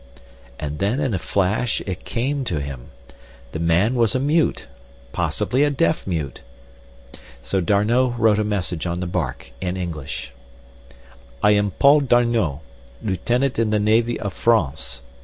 And then in a flash it came to him—the man was a mute, possibly a deaf mute. So D'Arnot wrote a message on the bark, in English. I am Paul d'Arnot, Lieutenant in the navy of France.